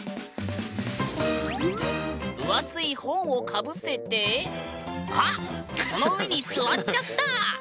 分厚い本をかぶせてあっその上に座っちゃった！